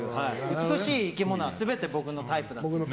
美しい生き物は全て僕のタイプ。